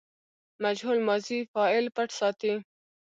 مجهول ماضي فاعل پټ ساتي.